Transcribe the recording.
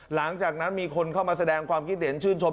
หลังจากนั้นมีคนเข้ามาแสดงความคิดเห็นชื่นชม